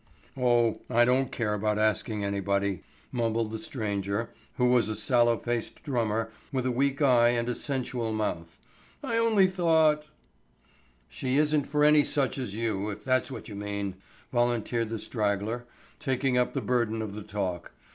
"Oh, I don't care about asking anybody," mumbled the stranger, who was a sallow faced drummer with a weak eye and a sensual mouth. "I only thought——" "She isn't for any such as you, if that's what you mean," volunteered the straggler, taking up the burden of the talk.